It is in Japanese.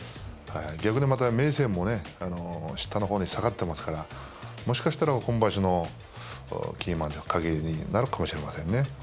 逆に明生も下のほうに下がっていますからもしかしたら今場所のキーマン鍵になるかもしれませんね。